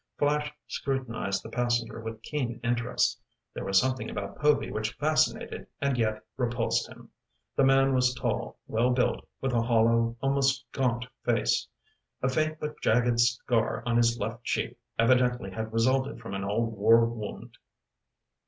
Flash scrutinized the passenger with keen interest. There was something about Povy which fascinated and yet repulsed him. The man was tall, well built, with a hollow, almost gaunt face. A faint but jagged scar on his left cheek evidently had resulted from an old war wound.